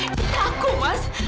ini aku mas